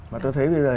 mà tôi thấy bây giờ